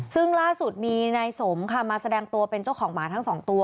ซึ่งล่าสุดมีนายสมค่ะมาแสดงตัวเป็นเจ้าของหมาทั้งสองตัว